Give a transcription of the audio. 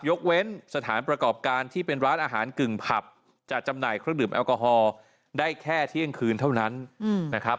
ยกเว้นสถานประกอบการที่เป็นร้านอาหารกึ่งผับจะจำหน่ายเครื่องดื่มแอลกอฮอล์ได้แค่เที่ยงคืนเท่านั้นนะครับ